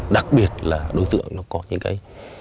đặc biệt là đối tượng nó có những cái